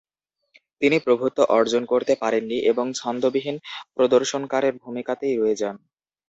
তিনি প্রভূত্বঃ অর্জন করতে পারেননি ও ছন্দবিহীন প্রদর্শনকারীর ভূমিকাতেই রয়ে যান।